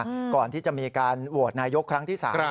ก่อนที่จะมีการโหวตนายกครั้งที่สาม